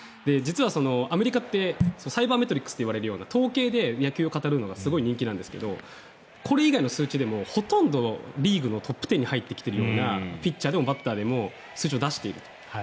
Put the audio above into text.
実はアメリカってサイバーメトリクスといわれるような統計で野球を語るのが人気なんですがこれ以外の数値でもリーグのトップ１０に入ってきているようなピッチャーでもバッターでも数字を出している。